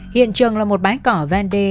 hiện trường là một bãi cỏ văn đề